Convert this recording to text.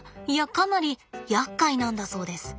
かなりやっかいなんだそうです。